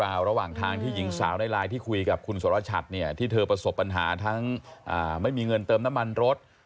ระหว่างทางที่หญิงสาวในไลน์ที่คุยกับคุณสรชัดเนี่ยที่เธอประสบปัญหาทั้งไม่มีเงินเติมน้ำมันรถ